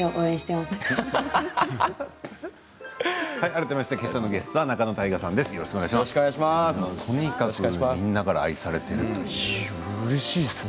改めましてけさのゲストは仲野太賀さんです。